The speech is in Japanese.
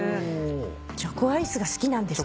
チョコアイスが好きなんですね。